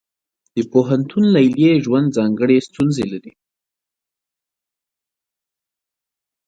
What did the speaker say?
د پوهنتون لیلیې ژوند ځانګړې ستونزې لري.